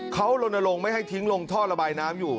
เขาลนลงไม่ให้ทิ้งลงท่อระบายน้ำอยู่